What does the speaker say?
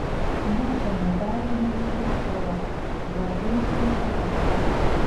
ما د موبایل هینډفري په غوږونو کې ښخه کړه.